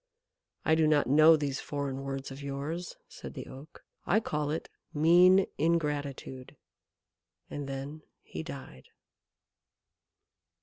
"I do not know these foreign words of yours," said the Oak. "I call it mean ingratitude." And then he died.